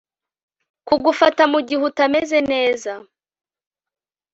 kugufata mugihe utameze neza